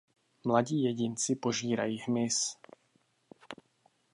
Mladí jedinci požírají hmyz.